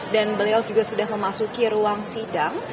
dan beliau juga sudah memasuki ruang sidang